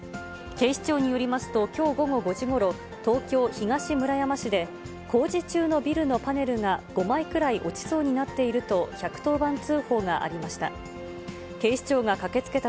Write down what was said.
警視庁によりますと、きょう午後５時ごろ、東京・東村山市で、工事中のビルのパネルが５枚くらい落ちそうになっていると１１０番通報がありました。